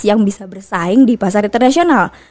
yang bisa bersaing di pasar internasional